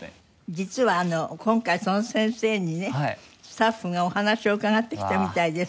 実は今回その先生にねスタッフがお話を伺ってきたみたいです。